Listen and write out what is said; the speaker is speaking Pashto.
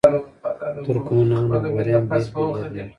ترکمنان او غوریان بېل بېل یادوي.